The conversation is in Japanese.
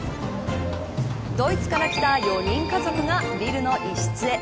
ドイツから来た４人家族がビルの一室へ。